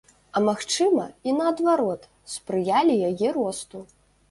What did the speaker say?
А магчыма, і наадварот, спрыялі яе росту.